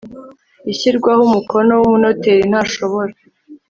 ishyirwaho umukono w umunoteri ntashobora